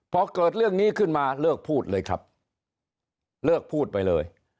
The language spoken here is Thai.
พอเกิดเรื่องนี้ขึ้นมาเลิกพูดเลยครับเลิกพูดไปเลย